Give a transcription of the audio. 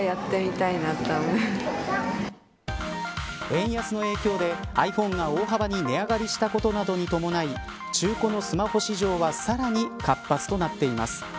円安の影響でｉＰｈｏｎｅが大幅に値上がりしたことなどに伴い中古のスマホ市場はさらに活発となっています。